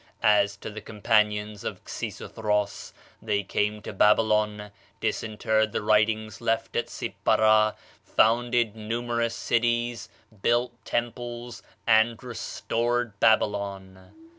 As to the companions of Xisuthros, they came to Babylon, disinterred the writings left at Sippara, founded numerous cities, built temples, and restored Babylon."